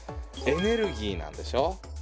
「エネルギー」なんでしょ？